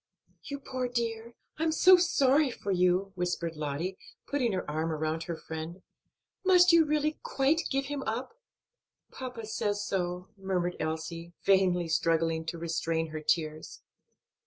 "You poor dear, I am so sorry for you!" whispered Lottie, putting her arm about her friend. "Must you really quite give him up?" "Papa says so," murmured Elsie, vainly struggling to restrain her tears.